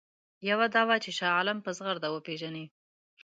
یوه دا وه چې شاه عالم په زغرده وپېژني.